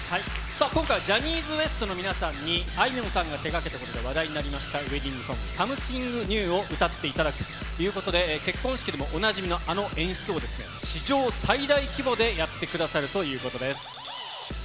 今回はジャニーズＷＥＳＴの皆さんに、あいみょんさんが手がけたことで話題になりました、ウエディングソング、サムシング・ニューを歌っていただくということで、結婚式にもあの演出を史上最大規模でやってくださるということです。